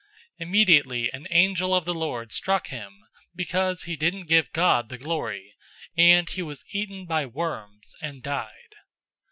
012:023 Immediately an angel of the Lord struck him, because he didn't give God the glory, and he was eaten by worms and died.